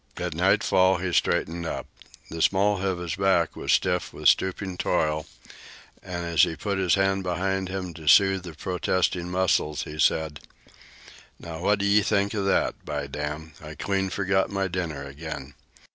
At nightfall he straightened up. The small of his back was stiff from stooping toil, and as he put his hand behind him to soothe the protesting muscles, he said: "Now what d'ye think of that? I clean forgot my dinner again!